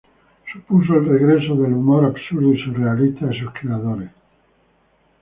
Supuso el regreso del humor absurdo y surrealista de sus creadores.